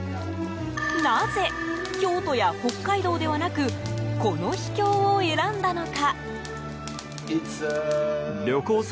なぜ、京都や北海道ではなくこの秘境を選んだのか。